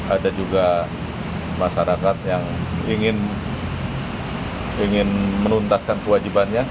ada juga masyarakat yang ingin menuntaskan kewajibannya